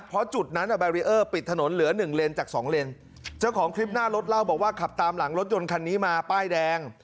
เพราะจุดนั้นอ่ะแบรีเออร์ปิดถนนเหลือหนึ่งเลนจากสองเลนเจ้าของคลิปหน้ารถเล่าบอกว่าขับตามหลังรถยนต์คันนี้มาป้ายแดง